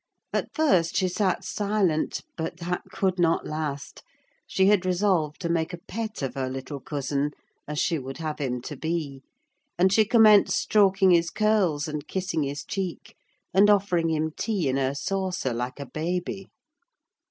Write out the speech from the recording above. At first she sat silent; but that could not last: she had resolved to make a pet of her little cousin, as she would have him to be; and she commenced stroking his curls, and kissing his cheek, and offering him tea in her saucer, like a baby.